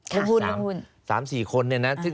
สามสี่คนเนี่ยนะ